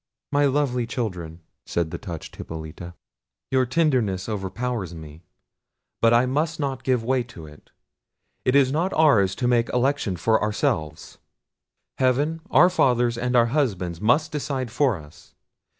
"My lovely children," said the touched Hippolita, "your tenderness overpowers me—but I must not give way to it. It is not ours to make election for ourselves: heaven, our fathers, and our husbands must decide for us.